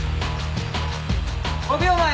５秒前。